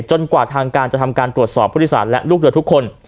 กว่าทางการจะทำการตรวจสอบผู้โดยสารและลูกเรือทุกคน